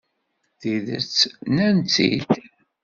Tidet, nnan-tt-id.